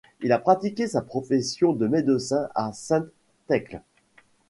Il a pratiqué sa profession de médecin à Sainte-Thècle.